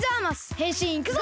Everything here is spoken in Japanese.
へんしんいくぞ！